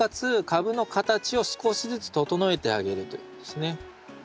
株の形を少しずつ整えてあげるということですね。